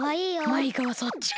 マイカはそっちか。